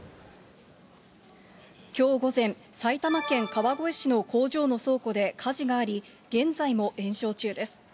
きょう午前、埼玉県川越市の工場の倉庫で火事があり、現在も延焼中です。